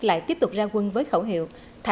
lại tiếp tục ra quân với khẩu hiệu